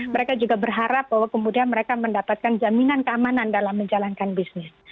mereka juga berharap bahwa kemudian mereka mendapatkan jaminan keamanan dalam menjalankan bisnis